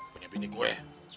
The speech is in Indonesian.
punya bini gue